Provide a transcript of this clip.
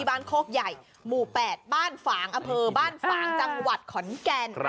บู๋แปดบ้านฝางอเภอบ้านฝางจังหวัดขอนแกน